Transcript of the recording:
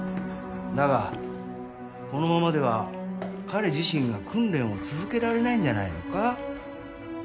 だがこのままでは彼自身が訓練を続けられないんじゃないのか？